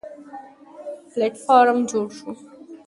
پلېټفارم جوړ شو.